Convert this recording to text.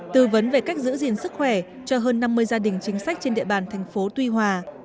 tư vấn về cách giữ gìn sức khỏe cho hơn năm mươi gia đình chính sách trên địa bàn thành phố tuy hòa